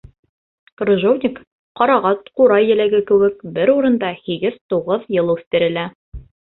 Крыжовник ҡарағат, ҡурай еләге кеүек, бер урында һигеҙ-туғыҙ йыл үҫтерелә.